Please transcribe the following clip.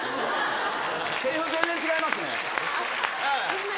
せりふ、全然違いますね。